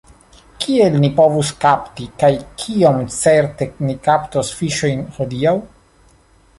Kiel ni povus kapti, kaj kiom certe ni kaptos fiŝojn hodiaŭ?